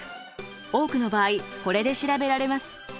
多くの場合これで調べられます。